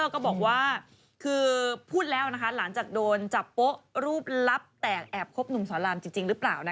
ก็อยากรู้จักกับพี่สอนลำเพราะฉันต้องง้อกาล